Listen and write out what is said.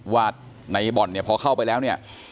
ว่าในบ่อนเนี่ยพอเข้าไปแล้วเนี่ย